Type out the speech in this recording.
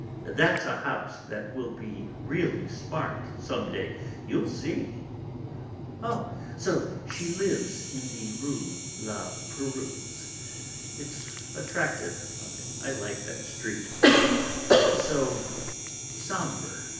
That's a house that will be really smart some day, you'll see!" "Oh, so she lives in the Rue La Pérouse. It's attractive; I like that street; it's so sombre."